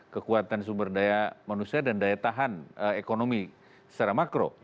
kekuatan sumber daya manusia dan daya tahan ekonomi secara makro